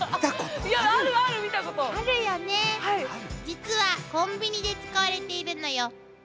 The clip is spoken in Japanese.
実はコンビニで使われているのよ。